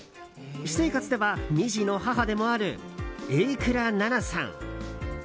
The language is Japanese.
私生活では２児の母でもある榮倉奈々さん。